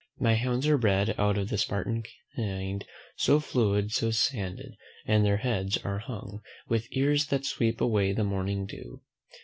My hounds are bred out of the Spartan kind, So flu'd so sanded, and their heads are hung With ears that sweep away the morning dew.